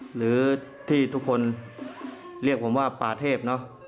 หรือที่ทุกคนเรียกผมว่าป่าเทพเนอะ